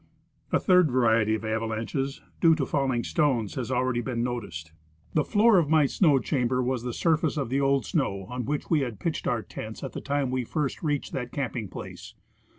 A third variety of avalanches, due to falling stones, has already been noticed. The floor of my snow chamber was the surface of the old snow on which we had pitched our tents at the time we first reached that camping place.